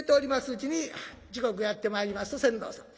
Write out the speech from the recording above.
うちに時刻やって参りますと船頭さん